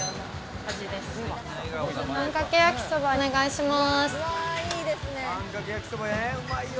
あんかけ焼きそば、お願いします！